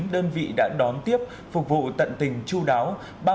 bốn đơn vị đã đón tiếp phục vụ tận tình chú đáo